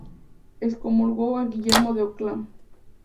Excomulgó a Guillermo de Ockham.